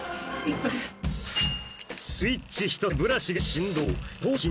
スイッチ１つでブラシが振動